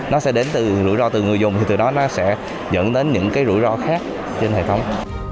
nó sẽ đến từ rủi ro từ người dùng thì từ đó nó sẽ dẫn đến những cái rủi ro khác trên hệ thống